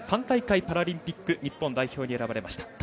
３大会パラリンピック日本代表に選ばれました。